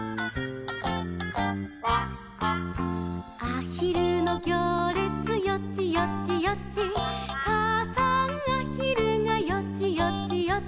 「あひるのぎょうれつよちよちよち」「かあさんあひるがよちよちよち」